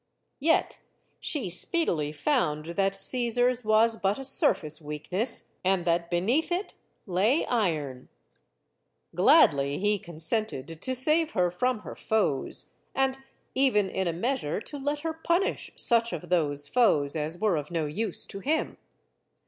Yet she speedily found that Caesar's was but a sur face weakness, and that beneath it lay iron. Gladly he consented to save her from her foes, and even in a measure to let her punish such of those foes as were of no use to him.